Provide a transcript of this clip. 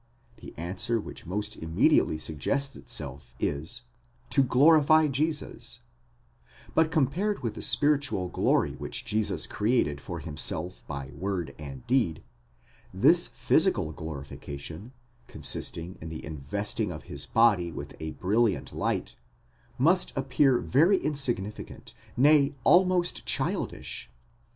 The answer which most immediately suggests itself is: to glorify Jesus ; but compared with the spiritual glory which Jesus created for himself by word and deed, this physical glorification, consisting in the investing of his body with a brilliant light, must appear very insignificant, nay, almost childish.